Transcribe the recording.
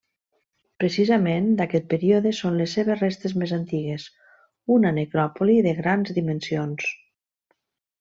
Precisament d'aquest període són les seves restes més antigues, una necròpoli de grans dimensions.